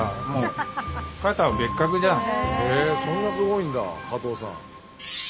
へえそんなすごいんだ加藤さん。